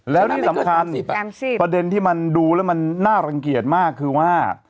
แล้วที่สำคัญประเด็นที่มันดูแล้วมันน่ารังเกียจมากคือว่า